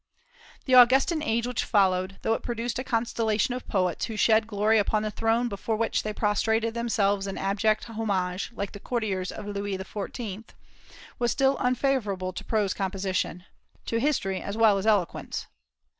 The Augustan age which followed, though it produced a constellation of poets who shed glory upon the throne before which they prostrated themselves in abject homage, like the courtiers of Louis XIV., still was unfavorable to prose composition, to history as well as eloquence.